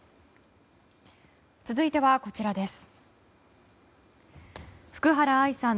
続いては、こちらです。